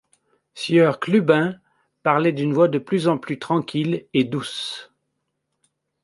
Sieur Clubin parlait d’une voix de plus en plus tranquille et douce.